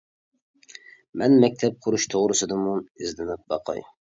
مەن مەكتەپ قۇرۇش توغرىسىدىمۇ ئىزدىنىپ باقاي.